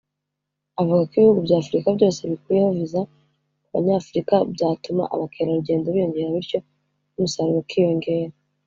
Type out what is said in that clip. Avuga ko ibihugu bya Afurika byose bikuyeho Viza ku Banyafurika byatuma abakerarugendo biyongera bityo n’umusaruro ukiyongera